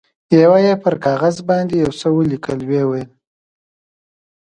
یوه یې پر کاغذ باندې یو څه ولیکل، ویې ویل.